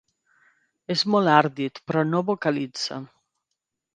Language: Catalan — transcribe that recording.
És molt ardit però no vocalitza.